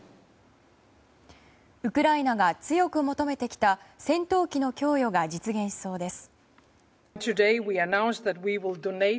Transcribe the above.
ウクライナが強く求めてきた戦闘機の供与が実現しそうです。